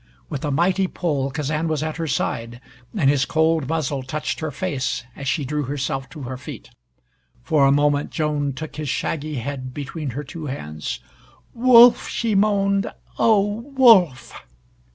With a mighty pull Kazan was at her side, and his cold muzzle touched her face as she drew herself to her feet. For a moment Joan took his shaggy head between her two hands. "Wolf!" she moaned. "Oh, Wolf!"